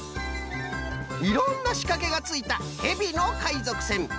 いろんなしかけがついた「ヘビの海賊船」。